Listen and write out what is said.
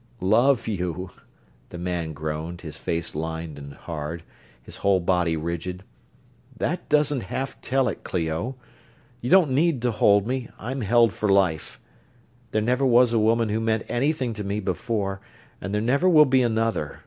"Love you!" The man groaned, his face lined and hard, his whole body rigid. "That doesn't half tell it, Clio. You don't need to hold me I'm held for life. There never was a woman who meant anything to me before, and there never will be another.